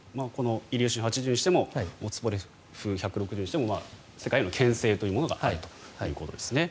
イリューシン８０にしてもツポレフ１６０にしても世界へのけん制というものがあるということですね。